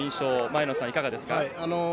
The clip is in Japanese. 前野さん、いかがですか？